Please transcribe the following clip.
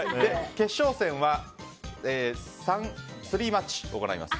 決勝戦は３マッチ行います。